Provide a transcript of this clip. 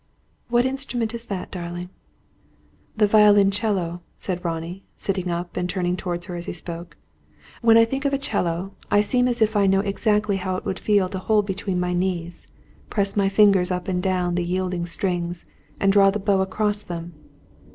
"What instrument is that, darling?" "The violoncello," said Ronnie, sitting up and turning towards her as he spoke. "When I think of a 'cello I seem as if I know exactly how it would feel to hold it between my knees, press my fingers up and down the yielding strings, and draw the bow across them.